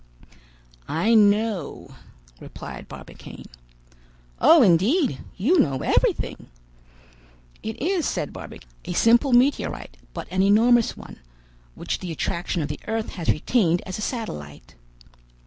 "I know," replied Barbicane. "Oh, indeed! you know everything." "It is," said Barbicane, "a simple meteorite, but an enormous one, which the attraction of the earth has retained as a satellite."